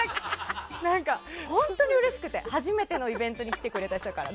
本当にうれしくて初めてのイベントに来てくれた人だから。